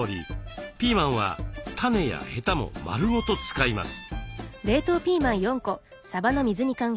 ピーマンは種やヘタもまるごと使います。